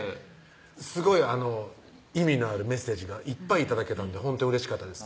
ねっすごい意味のあるメッセージがいっぱい頂けたんでほんとにうれしかったです